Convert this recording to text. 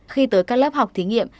khi tới các lớp học thí nghiệm